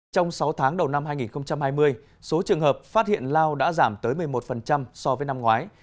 trong sáu tháng đầu năm hai nghìn hai mươi số trường hợp phát hiện lao đã giảm tới một mươi một so với năm ngoái